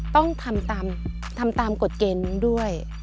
ต้องทำตามกฎเกณฑ์ด้วย